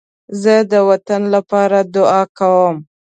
زه د وطن لپاره دعا کوم